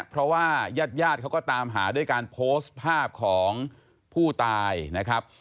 เพราะว่ายาดเขาก็ตามหาด้วยการโพสต์ภาพของผู้ตายนะครับ